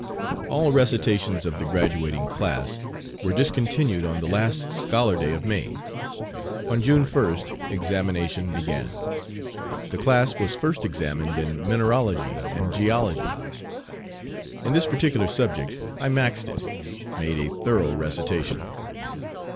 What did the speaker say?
All recitations of the graduating class were discontinued on the last scholar day of May. On June 1st examination began. The class was first examined in mineralogy and geology. In this particular subject I "maxed it," made a thorough recitation.